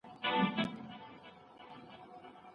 مدیتیشن د فشار په کمولو کي مرسته کوي.